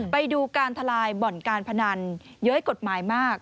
ไปดูการทลายบ่อนการพนันเย้ยกฎหมายมาก